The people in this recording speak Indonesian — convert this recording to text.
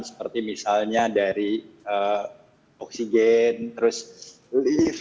seperti misalnya dari oksigen terus lift